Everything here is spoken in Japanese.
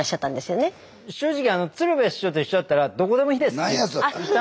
正直鶴瓶師匠と一緒だったらどこでもいいですって言ったんですけど。